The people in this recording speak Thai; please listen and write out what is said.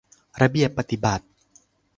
ระเบียบปฎิบัติ